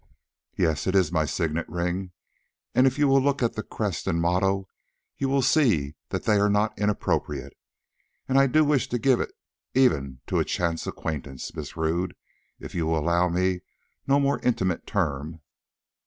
"Yes, it is my signet ring, and if you will look at the crest and motto you will see that they are not inappropriate. And I do wish to give it even 'to a chance acquaintance,' Miss Rodd, if you will allow me no more intimate term."